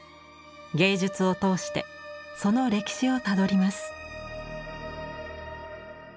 芸術を通してその歴史をたどります。